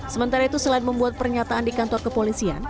sementara itu selain membuat pernyataan di kantor kepolisian